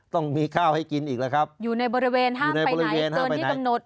ต้องมีข้าวให้กินอีกแล้วครับอยู่ในบริเวณห้ามไปไหนเกินที่กำหนด